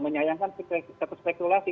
menyayangkan seperti spekulasi